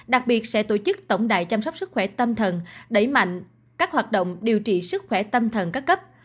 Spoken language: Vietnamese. đặc biệt sẽ tổ chức tổng đài chăm sóc sức khỏe tâm thần đẩy mạnh các hoạt động điều trị sức khỏe tâm thần các cấp